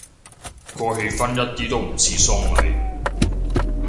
個氣氛一啲都唔似喪禮